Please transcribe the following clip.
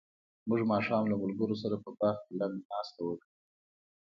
موږ ماښام له ملګرو سره په باغ کې لنډه ناسته وکړه.